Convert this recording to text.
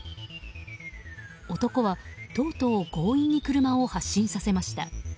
男はとうとう強引に車を発進させました。